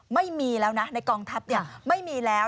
ไม่มีแล้วนะในกองทัพไม่มีแล้ว